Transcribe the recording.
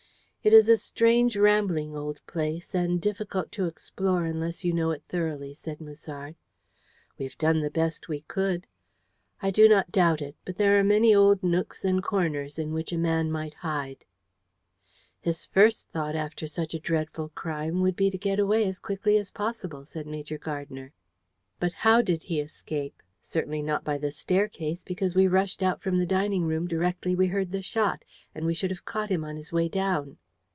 "It is a strange, rambling old place, and difficult to explore unless you know it thoroughly," said Musard. "We have done the best we could." "I do not doubt it, but there are many old nooks and corners in which a man might hide." "His first thought, after such a dreadful crime, would be to get away as quickly as possible," said Major Gardner. "But how did he escape? Certainly not by the staircase, because we rushed out from the dining room directly we heard the shot, and we should have caught him on his way down."